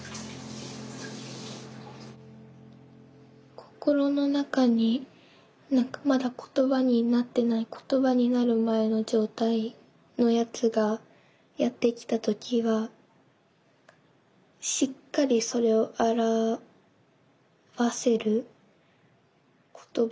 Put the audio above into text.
心の中にまだ言葉になっていない言葉になる前の状態のやつがやって来た時はしっかりそれを表せる言葉を素早く見つけること。